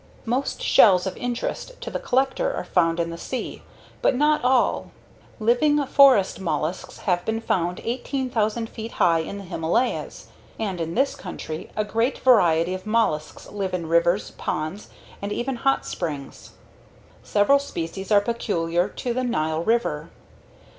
Most shells of interest to the collector are found in the sea but not all. Living forest mollusks have been found 18,000 feet high in the Himalayas. And in this country a great variety of mollusks live in rivers, ponds, and even hot springs. Several species are peculiar to the Nile River.